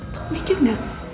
kamu mikir gak